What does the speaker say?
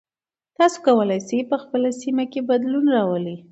تاسو کولی شئ په خپله سیمه کې بدلون راولئ.